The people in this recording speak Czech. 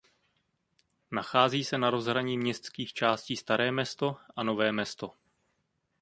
Nachází se na rozhraní městských částí Staré Mesto a Nové Mesto.